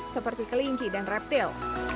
seperti kelinci dan reptil